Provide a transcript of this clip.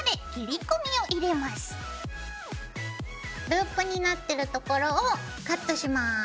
ループになってるところをカットします。